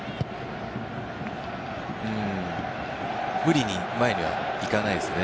無理に前には行かないですね。